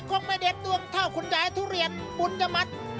คงไม่เด็ดดวงเท่าคุณยายทุเรียนปุญญมัด